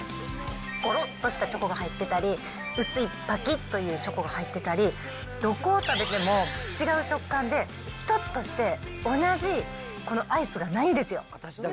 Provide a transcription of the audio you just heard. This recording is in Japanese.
ごろっとしたチョコが入ってたり、薄いぱきっというチョコが入ってたり、どこを食べても違う食感で、一つとして同じこのアイスがないんですよ。